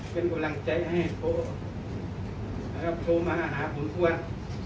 เป็นกำลังใจให้โทโทมาหาผลปวด